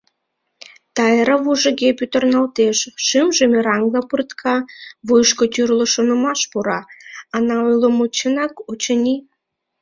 Тайра вуйжыге пӱтырналтеш, шӱмжӧ мераҥла пыртка, вуйышко тӱрлӧ шонымаш пура: «Ана ойлымо чынак, очыни?